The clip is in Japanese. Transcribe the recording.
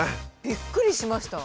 びっくりしました。